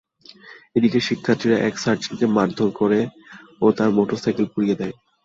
এদিকে শিক্ষার্থীরা এক সার্জেন্টকে মারধর করে ও তাঁর মোটরসাইকেল পুড়িয়ে দেয়।